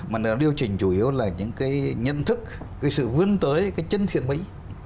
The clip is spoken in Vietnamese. mà nó điều chỉnh chủ yếu là những cái nhận thức cái sự vươn tới cái chân thiện mỹ